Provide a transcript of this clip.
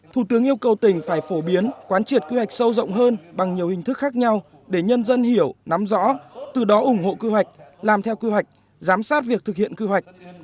thủ tướng yêu cầu tỉnh phải phổ biến quán triệt kế hoạch sâu rộng hơn bằng nhiều hình thức khác nhau để nhân dân hiểu nắm rõ từ đó ủng hộ kế hoạch làm theo kế hoạch giám sát việc thực hiện quy hoạch